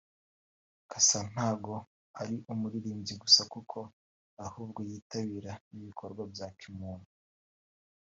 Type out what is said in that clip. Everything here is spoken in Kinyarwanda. Cassa ntago ari umuririmbyi gusa kuko ahubwo yitabira n’ibikorwa bya kimuntu